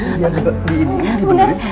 di ini di penduduk cuma